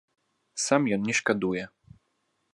Сам ён не шкадуе.